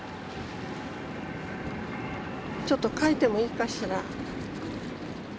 ちょっと描いてもいいかしら。